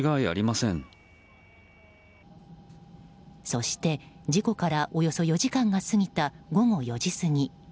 そして、事故からおよそ４時間が過ぎた午後４時過ぎ。